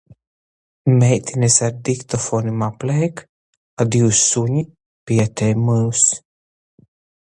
Meitinis ar diktofonim apleik, a div suni pietej myus.